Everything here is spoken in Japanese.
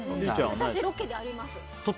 私、ロケであります。